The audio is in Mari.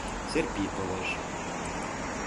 Серпи толеш.